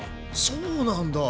そうなんだ。